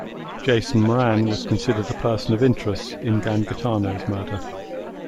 Jason Moran was considered a person of interest in Gangitano's murder.